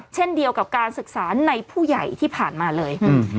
เช่นเดียวกับการศึกษาในผู้ใหญ่ที่ผ่านมาเลย